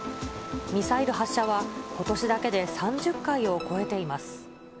ミサイル発射は、ことしだけで３０回を超えています。